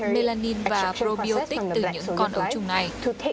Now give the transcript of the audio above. melanin và probiotic từ những con ấu trùng này